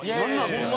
それ。